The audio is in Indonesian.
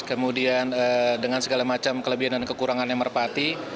kemudian dengan segala macam kelebihan dan kekurangan yang merpati